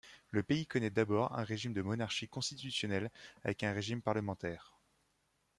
Le pays connaît d'abord un régime de monarchie constitutionnelle avec un régime parlementaire.